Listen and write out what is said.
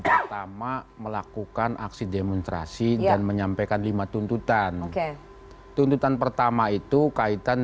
pertama melakukan aksi demonstrasi dan menyampaikan lima tuntutan oke tuntutan pertama itu kaitan